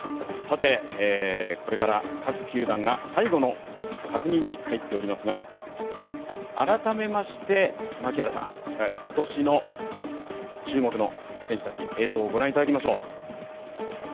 これから各球団が最後の確認に入っておりますが改めまして、槙原さん、今年の注目の選手たち、映像を御覧いただきましょう。